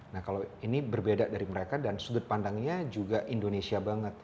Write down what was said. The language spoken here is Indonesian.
nah kalau ini berbeda dari mereka dan sudut pandangnya juga indonesia banget